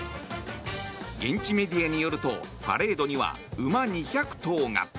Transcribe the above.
現地メディアによるとパレードには馬２００頭が。